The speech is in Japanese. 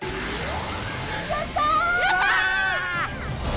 やった！